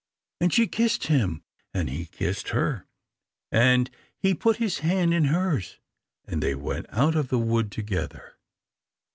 And she kissed him, and he kissed her, and he put his hand in hers, and they went out of the wood together.